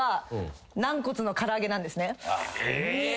え。